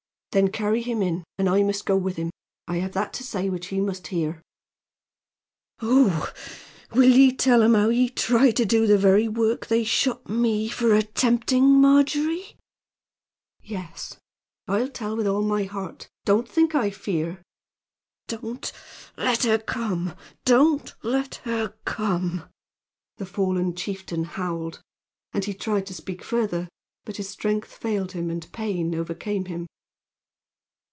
"Then carry him in, and I must go with him. I have that to say which he must hear." "Ho! ho! Will ye tell them how ye tried to do the very work they shot me for attempting, Margery?" "Yes, I'll tell with all my heart. Don't think I fear." "Don't let her come! Don't let her come!" the fallen chieftain howled. And he tried to speak further, but his strength failed him and pain overcame him.